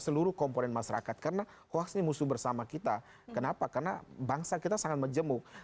seluruh komponen masyarakat karena hoax ini musuh bersama kita kenapa karena bangsa kita sangat menjemuk